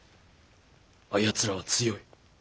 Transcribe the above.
あやつらは強い。